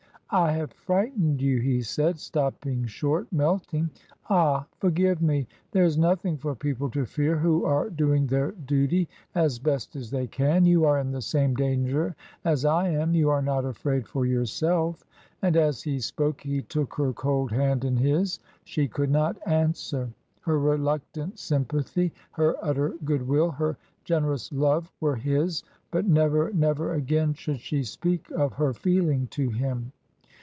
"I have frightened you," he said, stopping short, melting. "Ah, forgive me. There is nothing for people to fear who are doing their duty as best they can. You are in the same danger as I am. You are not afraid for yourself," and as he spoke he took her cold hand in his. She could not answer; her reluctant sympathy, her utter good will, her generous love were his; but never, never again should she speak of her feeling to him.